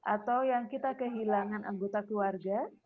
atau yang kita kehilangan anggota keluarga